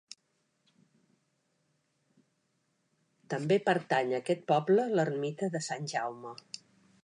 També pertany a aquest poble l'ermita de Sant Jaume.